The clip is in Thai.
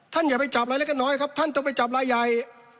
ท่านอย่าไปจับลายเล็กลายน้อยครับท่านจะไปจับลายใหญ่